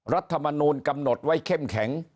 รัฐมนูลกำหนดไว้เข้มแข็ง